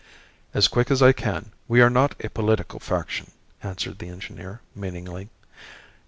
"As quick as I can. We are not a political faction," answered the engineer, meaningly.